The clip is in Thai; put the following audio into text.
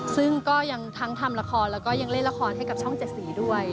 ซึ่งก็ยังทั้งทำละครแล้วก็ยังเล่นละครให้กับช่อง๗สีด้วย